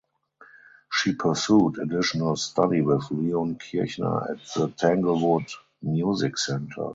She pursued additional study with Leon Kirchner at the Tanglewood Music Center.